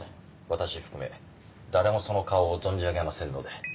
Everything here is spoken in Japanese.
私含め誰もその顔を存じあげませんので。